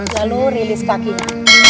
lalu rilis kakinya